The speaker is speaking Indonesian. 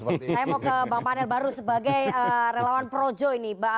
saya mau ke bang panel baru sebagai relawan projo ini